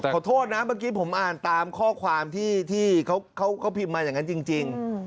ขอโทษนะเมื่อกี้ผมอ่านตามข้อความที่เขาพิมพ์มาอย่างนั้นจริง